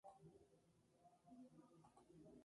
La designación se somete posteriormente a una votación.